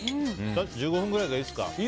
１５分ぐらいがいいですか。